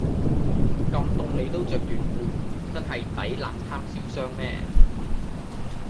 咁凍你都著短褲真係抵冷貪瀟湘咩